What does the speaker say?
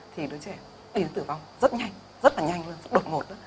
thì đứa trẻ đi đến tử vong rất nhanh rất là nhanh đột ngột